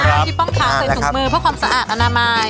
อ่าพี่ป้องค่ะเคยสุขมือเพื่อความสะอาดอนามัย